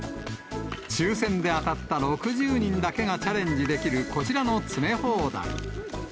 抽せんで当たった６０人だけがチャレンジできるこちらの詰め放題。